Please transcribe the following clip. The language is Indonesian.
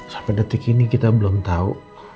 sampai detik ini kita belum tahu